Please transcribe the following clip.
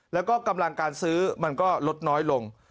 แล้วก็กำลังการซื้อมันก็ลดน้อยลง